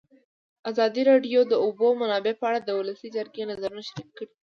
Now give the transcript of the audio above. ازادي راډیو د د اوبو منابع په اړه د ولسي جرګې نظرونه شریک کړي.